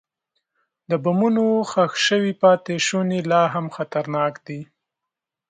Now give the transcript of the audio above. د بمونو ښخ شوي پاتې شوني لا هم خطرناک دي.